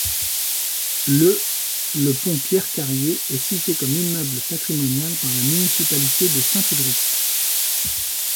Le le pont Pierre-Carrier est cité comme immeuble patrimonial par la municipalité de Saint-Ulric.